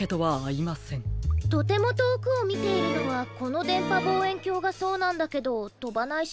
とてもとおくをみているのはこのでんぱぼうえんきょうがそうなんだけどとばないし。